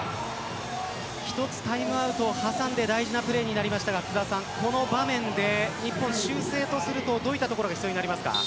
一つタイムアウトを挟んで大事なプレーになりましたがこの場面で日本、修正とするとどういうところが必要になりますか。